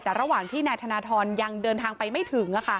แต่ระหว่างที่นายธนทรยังเดินทางไปไม่ถึง